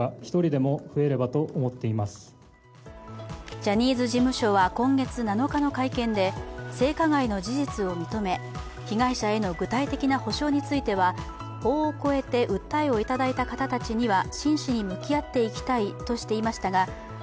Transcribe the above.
ジャニーズ事務所は今月７日の会見で性加害の事実を認め被害者への具体的な補償については法を超えて訴えをいただい方たちには菊池）